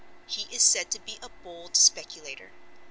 He is said to be a bold speculator.